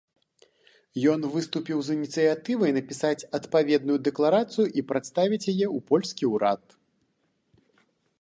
Ён выступіў з ініцыятывай напісаць адпаведную дэкларацыю і прадставіць яе ў польскі ўрад.